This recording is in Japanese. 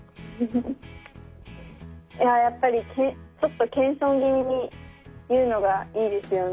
いややっぱりちょっと謙遜気味に言うのがいいですよね。